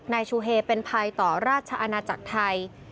นายชูเฮเป็นภัยต่อราชอาณาจักรไทย